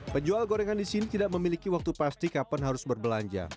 penjual gorengan di sini tidak memiliki waktu pasti kapan harus berbelanja